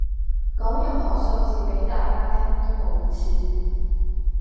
講任何數字俾大家聽都冇意思